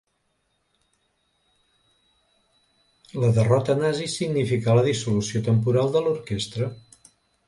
La derrota nazi significà la dissolució temporal de l'orquestra.